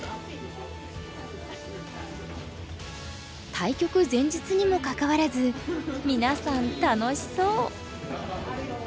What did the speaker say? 対局前日にもかかわらず皆さん楽しそう。